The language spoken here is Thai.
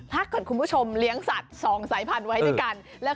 ถ้าเกิดคุณผู้ชมเลี้ยงสัตว์๒สายพันธุ์ไว้ด้วยกัน